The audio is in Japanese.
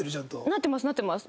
なってますなってます。